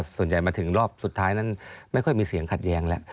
ส่วนใหญ่มาถึงรอบสุดท้ายนั้นไม่ค่อยมีเสียงขัดแย้งแล้ว